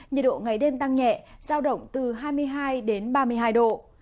nhiệt độ ngày đêm tăng nhẹ giao động từ hai mươi hai đến ba mươi hai độ